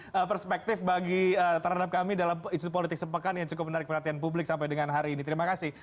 ada perspektif bagi terhadap kami dalam isu politik sepekan yang cukup menarik perhatian publik sampai dengan hari ini terima kasih